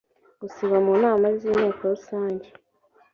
gusiba mu nama z inteko rusange